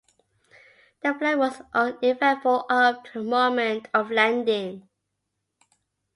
The flight was uneventful up to the moment of landing.